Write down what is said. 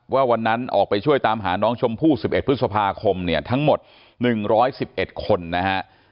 ว่าวันนั้นออกไปช่วยตามหาน้องชมพู่๑๑พฤษภาคมเนี่ยทั้งหมด๑๑๑คนนะฮะ